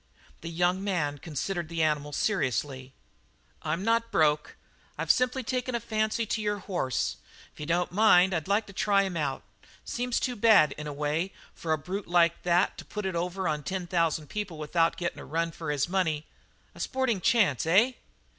The younger man considered the animal seriously. "I'm not broke; I've simply taken a fancy to your horse. If you don't mind, I'd like to try him out. Seems too bad, in a way, for a brute like that to put it over on ten thousand people without getting a run for his money a sporting chance, eh?"